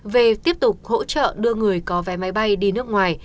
về tiếp tục hỗ trợ đưa người có vé máy bay đi nước ngoài